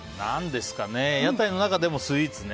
屋台の中でもスイーツね。